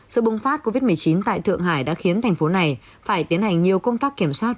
sự bùng phát covid một mươi chín tại thượng hải đã khiến thành phố này phải tiến hành nhiều công tác kiểm soát